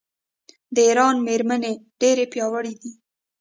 د ایران میرمنې ډیرې پیاوړې دي.